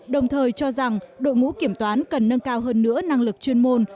đồng thời cho rằng đội ngũ kiểm toán cần nâng cao hơn nữa năng lực chuyên môn